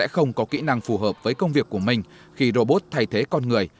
không có kỹ năng phù hợp với công việc của mình khi robot thay thế con người